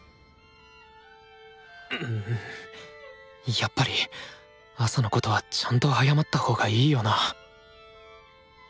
やっぱり朝のことはちゃんと謝ったほうがいいよなぁあ